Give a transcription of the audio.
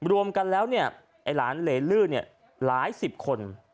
รวมกันแล้วเนี่ยไอ้หลานเหลื่อเนี่ยหลายสิบคน